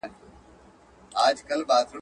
نور دي خواته نه را ګوري چي قلم قلم یې کړمه.